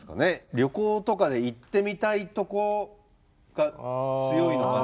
旅行とかで行ってみたいとこが強いのかな。